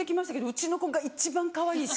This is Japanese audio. うちの子が一番かわいい。